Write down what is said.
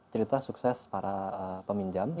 cerita sukses para peminjam